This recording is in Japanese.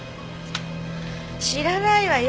知らないわよ。